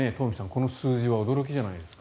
この数字は驚きじゃないですか？